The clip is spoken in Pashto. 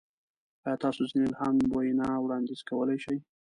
ایا تاسو ځینې الهامي وینا وړاندیز کولی شئ؟